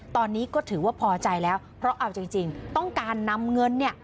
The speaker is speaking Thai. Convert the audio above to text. ตอนนี้ก็ถือว่าพอใจแล้วเพราะเอาจริงต้องการนำเงินเนี่ย